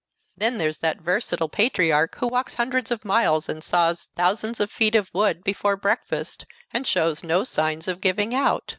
Then there's that versatile patriarch who walks hundreds of miles and saws thousands of feet of wood, before breakfast, and shows no signs of giving out.